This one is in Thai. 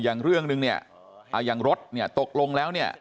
อย่างเรื่องนึงเนี่ยอย่างรถตกลงแล้ว